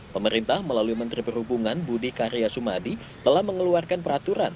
pemerintah melalui menteri perhubungan budi karya sumadi telah mengeluarkan peraturan